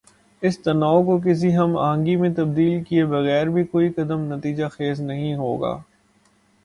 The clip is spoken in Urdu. اس تنوع کو کسی ہم آہنگی میں تبدیل کیے بغیربھی کوئی قدم نتیجہ خیز نہیں ہو گا۔